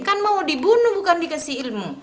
kan mau dibunuh bukan dikasih ilmu